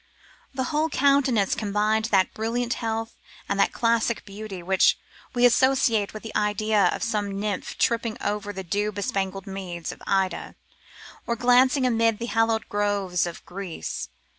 The whole countenance combined that brilliant health and that classic beauty which we associate with the idea of some nymph tripping over the dew bespangled meads of Ida, or glancing amid the hallowed groves of Greece.